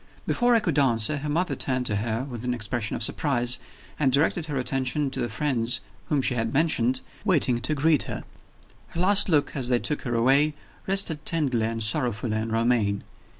Before I could answer, her mother turned to her with an expression of surprise, and directed her attention to the friends whom she had mentioned, waiting to greet her. Her last look, as they took her away, rested tenderly and sorrowfully on Romayne.